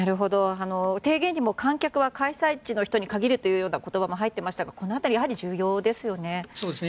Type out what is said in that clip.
提言にも観客は開催地の人に限るという言葉も入っていましたがこの辺りやはり重要ですよね。